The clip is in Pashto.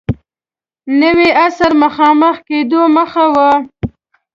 نوي عصر مخامخ کېدو مخه و.